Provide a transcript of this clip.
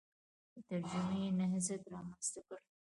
د ترجمې نهضت رامنځته کړ